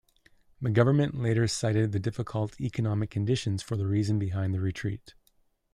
The government later cited the difficult economic conditions for the reason behind the retreat.